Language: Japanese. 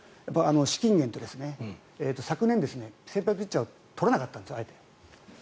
資金源と昨年、先発ピッチャーを取らなかったんです、あえて。